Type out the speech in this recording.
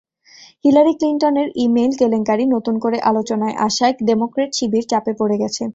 Hillary ক্লিনটনের email কেলেঙ্কারি নতুন করে আলোচনায় আসায় ডেমোক্র্যাট শিবির চাপে পড়ে গেছে।